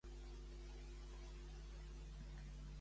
Com es declara a Caune?